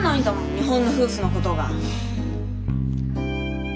日本の夫婦のことが。